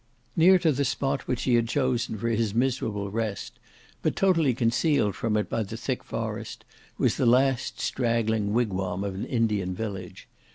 Near to the spot which he had chosen for his miserable rest, but totally concealed from it by the thick forest, was the last straggling wigwam of an Indian village.